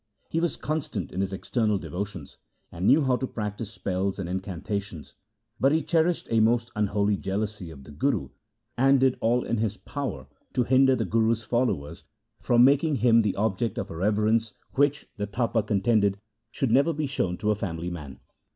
He was constant in his external devotions, and knew how to practise spells and in cantations, but he cherished a most unholy jealousy of the Guru, and did all in his power to hinder the Guru's followers from making him the object of a reverence which, the Tapa contended, should never be shown to a family man.